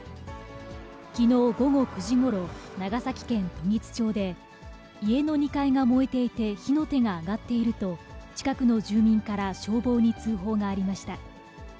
きのう午後９時ごろ、長崎県時津町で、家の２階が燃えていて火の手が上がっていると、近くの住民から消防に通報がありました。